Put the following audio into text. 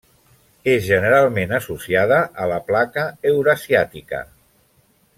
És generalment associada a la placa eurasiàtica.